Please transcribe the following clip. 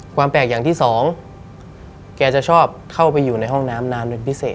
แปลกอย่างที่สองแกจะชอบเข้าไปอยู่ในห้องน้ำนานเป็นพิเศษ